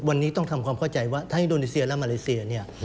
วันนี้ต้องทำความเข้าใจว่าทั้งอินโดนีเซียและมาเลเซียเนี่ย